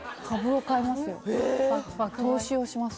はい投資をします